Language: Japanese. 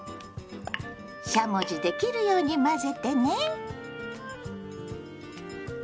しゃもじで切るように混ぜてね。